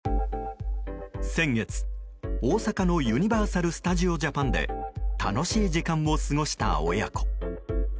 先月、大阪のユニバーサル・スタジオ・ジャパンで楽しい時間を過ごした親子。